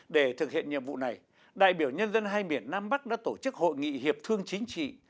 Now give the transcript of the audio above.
để thực hiện nhiệm vụ này đại biểu nhân dân hai miền nam bắc đã tổ chức hội nghị hiệp thương chính trị